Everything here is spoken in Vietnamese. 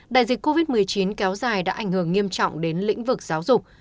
đại dịch covid một mươi chín kéo dài đã ảnh hưởng nghiêm trọng đến lĩnh vực giáo dục